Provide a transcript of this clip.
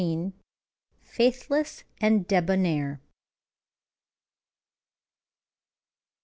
"FAITHLESS AND DEBONAIR."